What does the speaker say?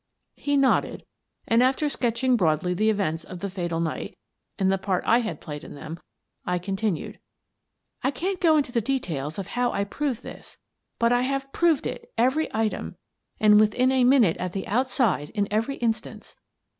He nodded and, after sketching broadly the events of the fatal night and the part I had played in them, I continued :" I can't go into all the details of how I proved this, but I have proved it, every item, and within a 250 Miss Frances Baird, Detective minute at the outside in every instance.